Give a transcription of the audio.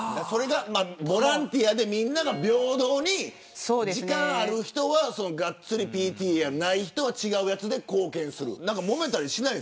ボランティアでみんなが平等に時間がある人は、がっつりやって時間がない人は違う形で貢献する。